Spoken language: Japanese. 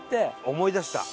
思い出した。